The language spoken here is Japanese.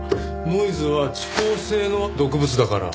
ノイズは遅効性の毒物だから。